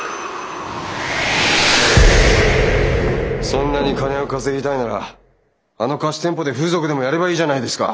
そんなに金を稼ぎたいならあの貸し店舗で風俗でもやればいいじゃないですか。